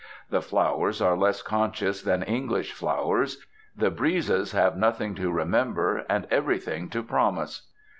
The flowers are less conscious than English flowers, the breezes have nothing to remember, and everything to promise.